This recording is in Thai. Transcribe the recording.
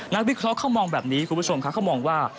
วิเคราะห์เขามองแบบนี้คุณผู้ชมครับเขามองว่า